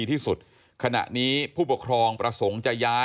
ทาง